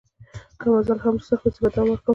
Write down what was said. که مزل هر څومره سخت وي زه به دوام ورکوم.